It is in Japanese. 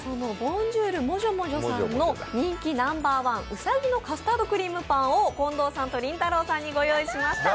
Ｂｏｎｊｏｕｒｍｏｊｏ２さんの人気ナンバーワン、うさぎのカスタードクリームパンを近藤さんとりんたろーさんにご用意しました。